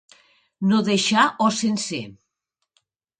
No deixar os sencer.